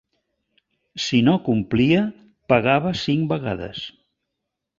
Si no complia, pagava cinc vegades.